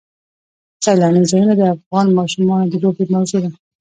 سیلانی ځایونه د افغان ماشومانو د لوبو موضوع ده.